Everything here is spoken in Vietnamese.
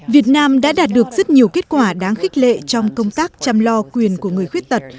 việt nam đã đạt được rất nhiều kết quả đáng khích lệ trong công tác chăm lo quyền của người khuyết tật